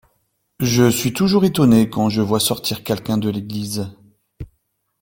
Je suis toujours étonné quand je vois sortir quelqu'un de l'église.